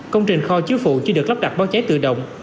công trình kho chứa phụ chưa được lắp đặt báo cháy tự động